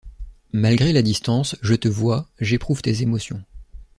Malgré la distance, je te vois, j’éprouve tes émotions.